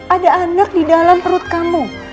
ada anak di dalam perut kamu